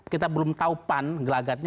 kita belum tahu pan gelagatnya